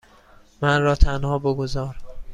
من را تنها بگذار.